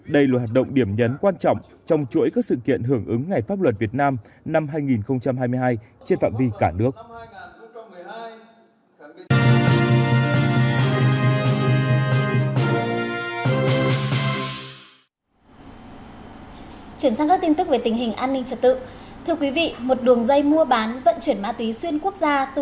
đây là hạt động điểm nhấn quan trọng trong chuỗi các sự kiện hưởng ứng ngày pháp luật việt nam năm hai nghìn hai mươi hai trên phạm vi cả nước